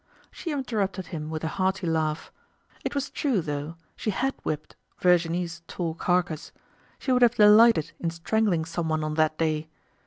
She interrupted him with a hearty laugh. It was true, though, she had whipped Virginie's tall carcass. She would have delighted in strangling someone on that day.